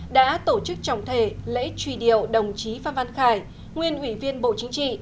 đã tổ chức trọng thể lễ truy điều đồng chí pham văn khải nguyên hủy viên bộ chính trị